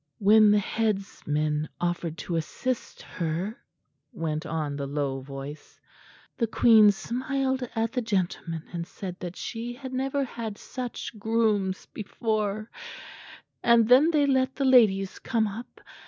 "When the headsmen offered to assist her," went on the low voice, "the queen smiled at the gentlemen and said that she had never had such grooms before; and then they let the ladies come up.